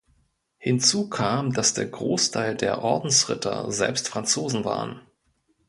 Hinzu kam, dass der Großteil der Ordensritter selbst Franzosen waren.